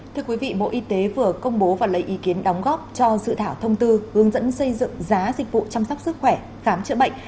thưa quý vị bộ y tế vừa công bố và lấy ý kiến đóng góp cho dự thảo thông tư hướng dẫn xây dựng giá dịch vụ chăm sóc sức khỏe khám chữa bệnh